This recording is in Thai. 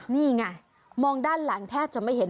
นี่ไงมองด้านหลังแทบจะไม่เห็น